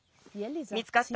見つかった？